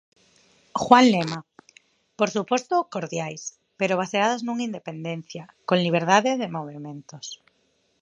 Juan Lema: Por suposto cordiais, pero baseadas nunha independencia, con liberdade de movementos.